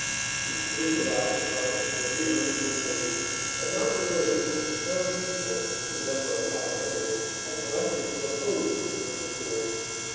His troop arrived at Harsh very early in the morning, but not so early but that the townspeople, to the number of five hundred, had collected to oppose his little force.